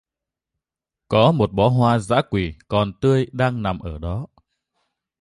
Có một bó hoa dã quỳ còn tươi đang nằm ở đó